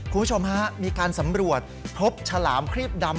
คุณผู้ชมฮะมีการสำรวจพบฉลามครีบดำ